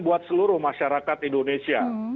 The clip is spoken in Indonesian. buat seluruh masyarakat indonesia